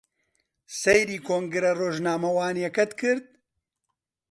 سەیری کۆنگرە ڕۆژنامەوانییەکەت کرد؟